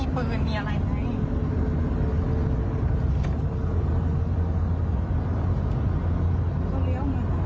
เพื่อนพำอำนุง